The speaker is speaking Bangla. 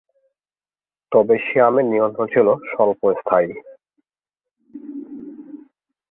তবে সিয়ামের নিয়ন্ত্রণ ছিল স্বল্পস্থায়ী।